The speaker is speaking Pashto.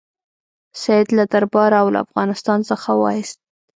سید له درباره او له افغانستان څخه وایست.